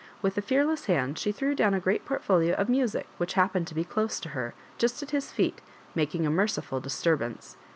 With a fearless hand she threw down a great portfolio of music whidi happened to be dose to her, just at bis feet, making a mer ciful disturbance.